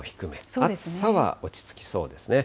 暑さは落ち着きそうですね。